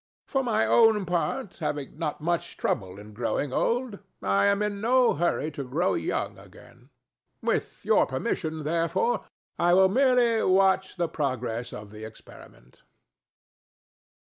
For my own part, having had much trouble in growing old, I am in no hurry to grow young again. With your permission, therefore, I will merely watch the progress of the experiment."